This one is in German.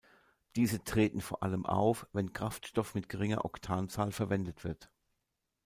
Diese treten vor allem auf, wenn Kraftstoff mit geringer Oktanzahl verwendet wird.